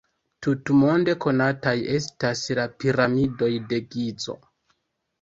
Tutmonde konataj estas la Piramidoj de Gizo.